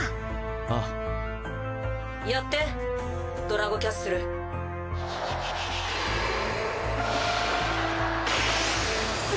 ああやってドラゴキャッスルく！